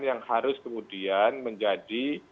yang harus kemudian menjadi